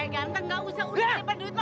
ganteng gak usah udah simpen duit lu